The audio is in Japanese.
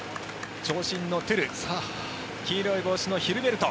長身のトゥル黄色い帽子のヒルベルト。